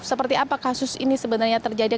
seperti apa kasus ini sebenarnya terjadi